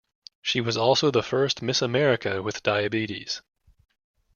She was also the first Miss America with diabetes.